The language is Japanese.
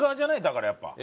だからやっぱ。